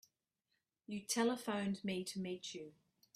You telephoned me to meet you.